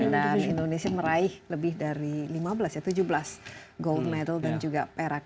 indonesia meraih lebih dari lima belas ya tujuh belas gold mattle dan juga perak